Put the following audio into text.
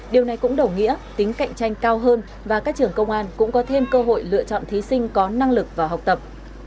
điều này cũng đồng nghĩa tính cạnh tranh cao hơn và các trường công an cũng có thêm cơ hội lựa chọn thí sinh có năng lực vào học tập